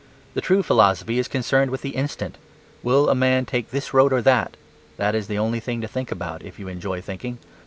The true philosophy is concerned with the instant. Will a man take this road or that? that is the only thing to think about, if you enjoy thinking.